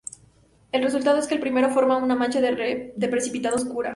El resultado es que el primero forma una mancha de precipitado oscura.